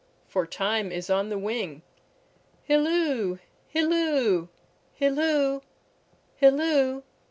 for time is on the wing. Hilloo, hilloo, hilloo, hilloo!